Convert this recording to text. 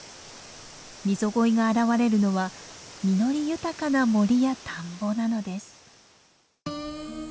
ミゾゴイが現れるのは実り豊かな森や田んぼなのです。